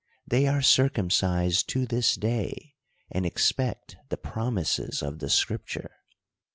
They are circumcised to this day ; and expect the promises of the scripture.